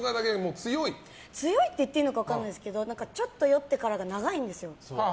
強いって言っていいのか分からないですけどちょっと酔ってからが長いんですよ。